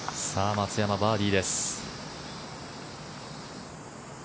松山、バーディーです。